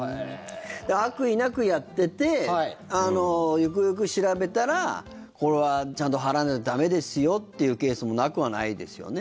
悪意なくやっててよくよく調べたらこれはちゃんと払わないと駄目ですよっていうケースもなくはないですよね。